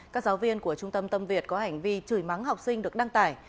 các giáo viên của trung tâm tâm việt có hành vi chửi mắng học sinh được đăng tải